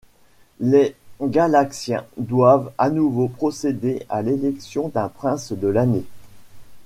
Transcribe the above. Les Galaxiens doivent à nouveau procéder à l'élection d'un Prince de l'Année.